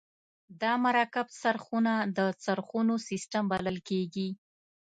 دا مرکب څرخونه د څرخونو سیستم بلل کیږي.